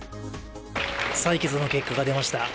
採決の結果が出ました。